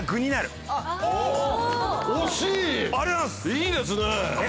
いいですね。